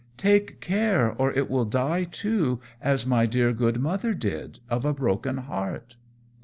Take care or it will die too, as my dear good mother did, of a broken heart."